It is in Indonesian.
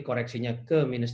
koreksinya ke minus tiga delapan